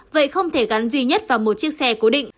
vậy không thể gắn duy nhất vào một chiếc xe cố định